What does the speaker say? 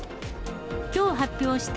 きょう発表した